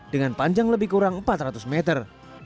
dengan panjang lebih kurang empat ratus meter